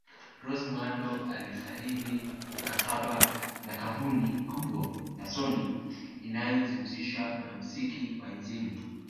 Rose Muhando alisaini mkataba na kampuni kubwa ya sony inayojihusisha na mziki wa injili